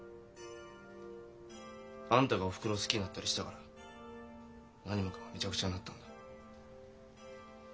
あんたがおふくろ好きになったりしたから何もかもめちゃくちゃになったんだろ。